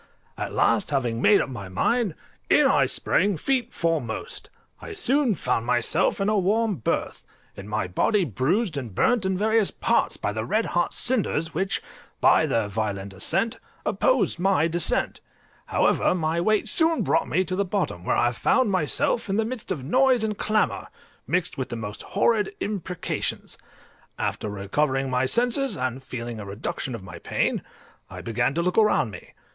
At last, having made up my mind, in I sprang feet foremost; I soon found myself in a warm berth, and my body bruised and burnt in various parts by the red hot cinders, which, by their violent ascent, opposed my descent: however, my weight soon brought me to the bottom, where I found myself in the midst of noise and clamour, mixed with the most horrid imprecations; after recovering my senses, and feeling a reduction of my pain, I began to look about me.